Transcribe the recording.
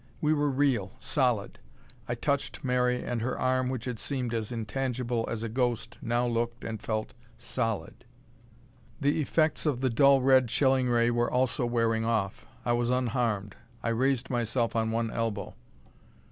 We were real, solid. I touched Mary and her arm which had seemed intangible as a ghost now looked and felt solid. The effects of the dull red chilling ray were also wearing off. I was unharmed. I raised myself on one elbow.